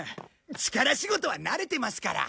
力仕事は慣れてますから。